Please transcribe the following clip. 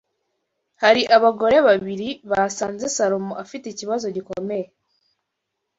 hari abagore babiri basanze Salomo bafite ikibazo gikomeye